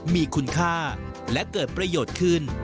มีคุณค่าและเกิดประโยชน์ขึ้น